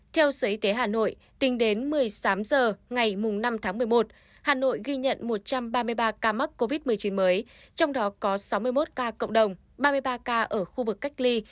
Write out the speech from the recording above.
theo sở y tế hà nội tính đến một mươi sáu h ngày năm tháng một mươi một hà nội ghi nhận một trăm ba mươi ba ca mắc covid một mươi chín mới trong đó có sáu mươi một ca cộng đồng ba mươi ba ca ở khu vực cách ly